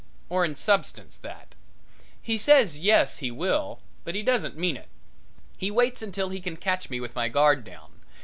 Or in substance that. He says yes, he will, but he doesn't mean it. He waits until he can catch me with my guard down.